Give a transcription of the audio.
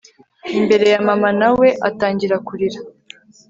imbere ya mama nawe atangira kurira